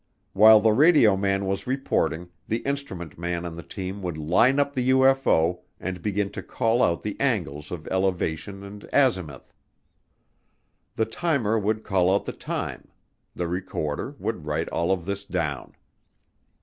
While the radio man was reporting, the instrument man on the team would line up the UFO and begin to call out the angles of elevation and azimuth. The timer would call out the time; the recorder would write all of this down.